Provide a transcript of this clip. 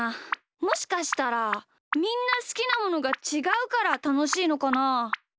もしかしたらみんなすきなものがちがうからたのしいのかな？